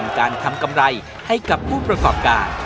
การทำกำไรให้กับผู้ประกอบการ